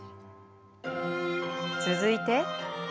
続いて。